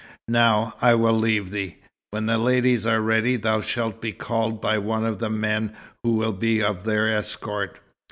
Now, I will leave thee. When the ladies are ready, thou shalt be called by one of the men who will be of their escort.